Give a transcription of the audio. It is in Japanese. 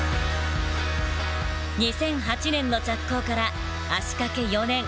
２００８年の着工から足かけ４年。